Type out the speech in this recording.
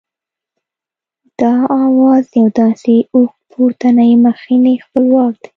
دا آواز یو داسې اوږد پورتنی مخنی خپلواک دی